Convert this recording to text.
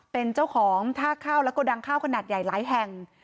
เป็นเจ้าของท่าข้าวแล้วก็ดังข้าวขนาดใหญ่หลายแห่ง